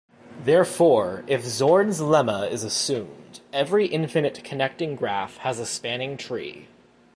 Therefore, if Zorn's lemma is assumed, every infinite connected graph has a spanning tree.